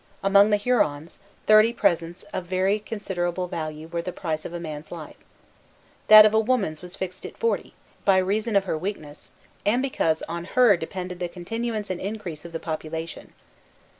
Among the Hurons, thirty presents of very considerable value were the price of a man's life. That of a woman's was fixed at forty, by reason of her weakness, and because on her depended the continuance and increase of the population.